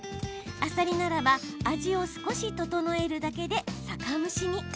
あさりならば味を少し調えるだけで酒蒸しに。